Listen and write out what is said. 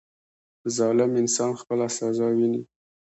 • ظالم انسان خپله سزا ویني.